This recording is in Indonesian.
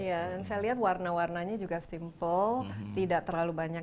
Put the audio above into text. iya dan saya lihat warna warnanya juga simple tidak terlalu banyak